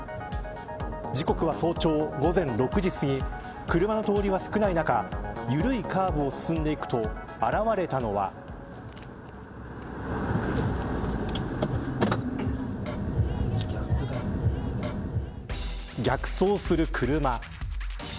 時刻は早朝午前６時すぎ車の通りは少ない中緩いカーブを進んでいくと逆走する車。